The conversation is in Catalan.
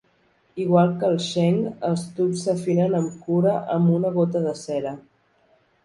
Igual que el sheng, els tubs s'afinen amb cura amb una gota de cera.